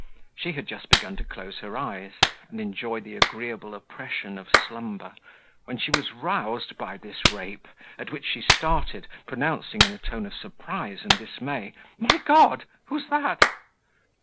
She had just begun to close her eyes, and enjoy the agreeable oppression of slumber, when she was roused by this rape, at which she started, pronouncing, in a tone of surprise and dismay, "My God! who's that?"